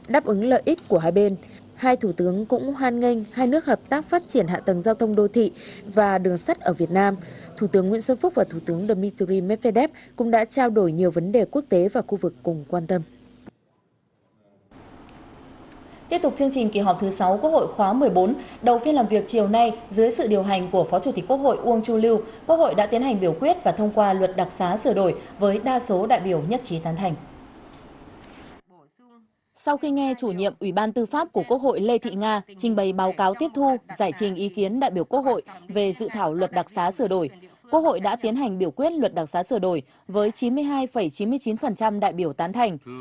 sau khi nghe chủ nhiệm ủy ban tư pháp của quốc hội lê thị nga trình bày báo cáo tiếp thu giải trình ý kiến đại biểu quốc hội về dự thảo luật đặc sá sửa đổi quốc hội đã tiến hành biểu quyết luật đặc sá sửa đổi với chín mươi hai chín mươi chín đại biểu tán thành